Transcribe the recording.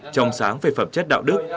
trong sáng về phẩm chất đạo đức